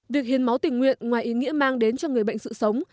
việc hiến máu tình nguyện ngoài ý nghĩa mang đến cho người bệnh sự sống